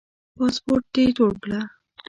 پاسپورټ دي جوړ کړه